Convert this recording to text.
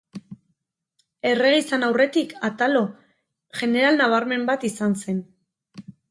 Errege izan aurretik, Atalo, jeneral nabarmen bat izan zen.